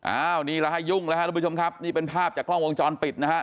อ้าวนี่แหละฮะยุ่งแล้วครับทุกผู้ชมครับนี่เป็นภาพจากกล้องวงจรปิดนะฮะ